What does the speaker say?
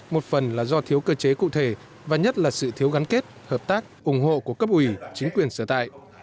một phần là do thiếu cơ chế cụ thể và nhất là sự thiếu gắn kết hợp tác ủng hộ của cấp ủy chính quyền sở tại